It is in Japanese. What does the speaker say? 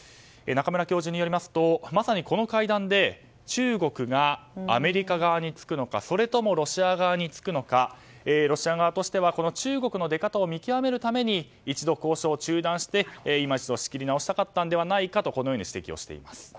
中村教授によりますとまさにこの会談で中国がアメリカ側につくのかそれともロシア側につくのかロシア側として中国の出方を見極めるために一度交渉を中断して今一度仕切り直したかったのではないかと指摘をしています。